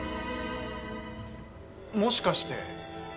もしかして。